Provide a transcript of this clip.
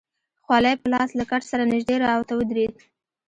خولۍ په لاس له کټ سره نژدې راته ودرېد.